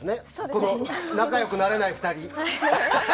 この仲良くなれない２人。